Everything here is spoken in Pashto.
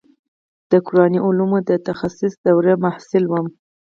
د قراني علومو د تخصص دورې محصل وم.